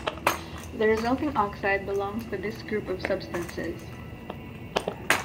The resulting oxide belongs to this group of substances.